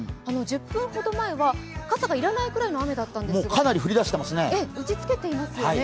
１０分ほど前は傘が要らないほどの雨だったんですが打ちつけていますよね。